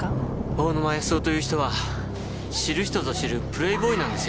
大沼安雄という人は知る人ぞ知るプレイボーイなんですよ。